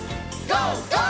ＧＯ！